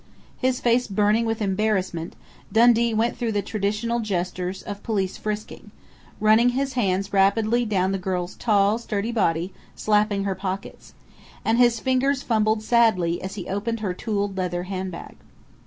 His face burning with embarrassment, Dundee went through the traditional gestures of police "frisking" running his hands rapidly down the girl's tall, sturdy body, slapping her pockets. And his fingers fumbled sadly as he opened her tooled leather handbag.